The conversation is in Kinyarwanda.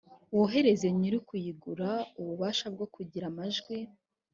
woherereze nyir’ukuyigura ububasha bwo kugira amajwi